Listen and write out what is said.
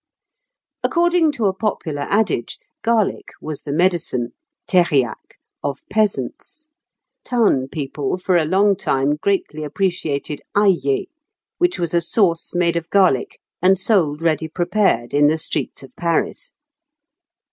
According to a popular adage, garlic was the medicine (thériaque) of peasants; town people for a long time greatly appreciated aillée, which was a sauce made of garlic, and sold ready prepared in the streets of Paris.